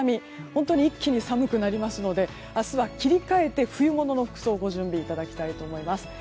本当に一気に寒くなりますので明日は切り替えて冬物の服装ご準備いただきたいと思います。